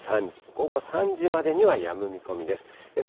午後３時までにはやむ見込みです。